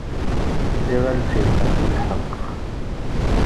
Tiɣaltin, lḥeqq.